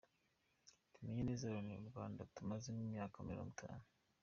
Tumenye neza Loni u Rwanda rumazemo imyaka mirongo itanu